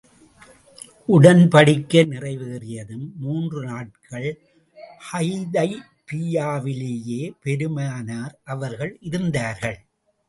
உடன்படிக்கை நிறைவேறியதும், மூன்று நாட்கள் ஹூதைபிய்யாவிலேயே பெருமானார் அவர்கள் இருந்தார்கள்.